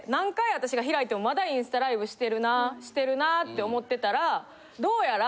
私か開いてもまだインスタライブしてるなしてるなって思ってたらどうやら。